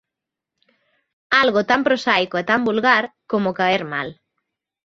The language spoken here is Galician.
Algo tan prosaico e tan vulgar como caer mal.